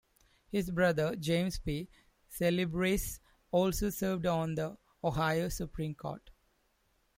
His brother, James P. Celebrezze, also served on the Ohio Supreme Court.